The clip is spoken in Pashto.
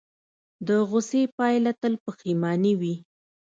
د غوسې پایله تل پښیماني وي.